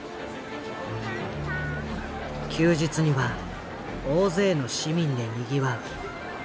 休日には大勢の市民でにぎわう。